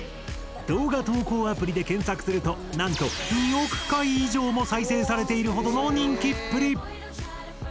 動画投稿アプリで検索するとなんと２億回以上も再生されているほどの人気っぷり！